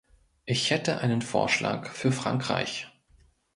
Ich hätte einen Vorschlag für Frankreich.